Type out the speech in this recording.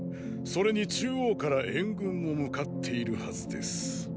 それに中央から援軍も向かっているはずです。